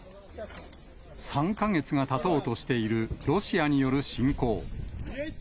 ３か月がたとうとしているロシアによる侵攻。